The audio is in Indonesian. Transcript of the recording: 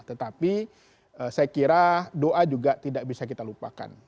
tetapi saya kira doa juga tidak bisa kita lupakan